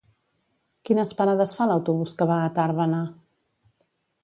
Quines parades fa l'autobús que va a Tàrbena?